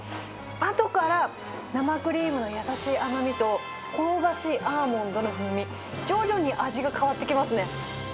あとから生クリームの優しい甘みと、香ばしいアーモンドの風味、徐々に味が変わってきますね。